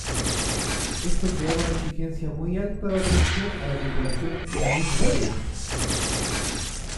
Esto creaba una exigencia muy alta de atención a la tripulación y mucha fatiga.